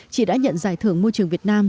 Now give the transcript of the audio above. chị đã nhận giải thưởng môi trường việt nam